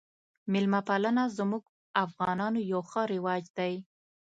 میلمه پالنه زموږ افغانانو یو ښه رواج دی